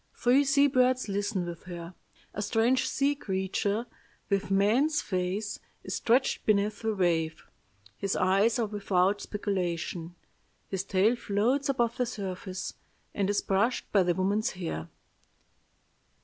Three sea birds listen with her. A strange sea creature, with man's face, is stretched beneath the wave. His eyes are without speculation. His tail floats above the surface, and is brushed by the woman's hair.